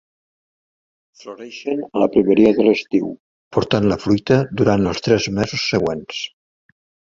Floreixen a la primeria de l'estiu portant la fruita durant els tres mesos següents.